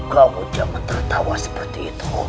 kamu jangan tertawa seperti itu